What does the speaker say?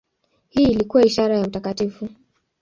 Hii ilikuwa ishara ya utakatifu.